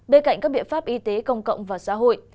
bên cạnh các biện pháp y tế công cộng và xã hội